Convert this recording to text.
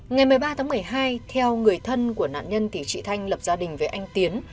ngày một mươi ba tháng một mươi hai theo người thân của nạn nhân thì chị thanh lập gia đình với anh tiến